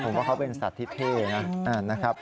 ผมว่าเขาเป็นสัตว์ที่เท่นะครับ